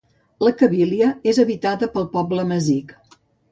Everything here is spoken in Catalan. La Cabília és habitada pel poble amazic.